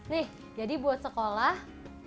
nih jadi buat sekolah